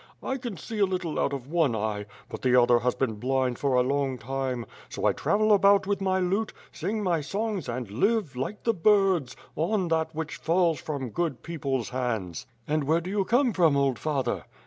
I can see a little out of one eye, but the other has been blind for a long time, so I travel about with my lute, sing my songs and live, like the birds, on that which falls from good people's hands.^* "And where do you come from, old father?'